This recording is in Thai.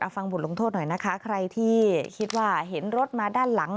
ฟังบทลงโทษหน่อยนะคะใครที่คิดว่าเห็นรถมาด้านหลัง